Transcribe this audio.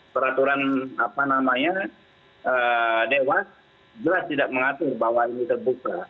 peraturan dewas jelas tidak mengatur bahwa ini terbuka